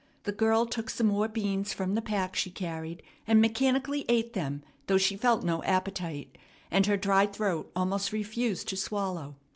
The girl took some more beans from the pack she carried, and mechanically ate them, though she felt no appetite, and her dry throat almost refused to swallow.